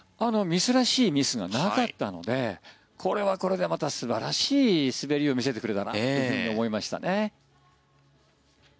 ミスらしいミスがなかったのでこれはこれでまた素晴らしい滑りを見せてくれたなと思いましたね。